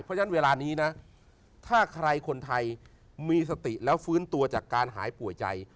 เพราะฉะนั้นเวลานี้นะถ้าใครคนไทยมีสติแล้วฟื้นตัวจากการหายป่วยใจ